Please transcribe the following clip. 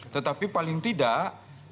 tetapi paling tidak